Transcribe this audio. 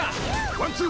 ワンツー！